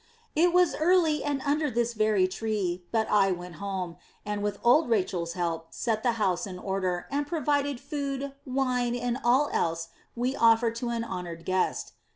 "It was early and under this very tree; but I went home and, with old Rachel's help, set the house in order, and provided food, wine, and all else we offer to an honored guest.